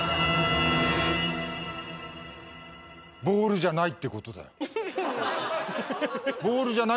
ボールじゃないってことだよ。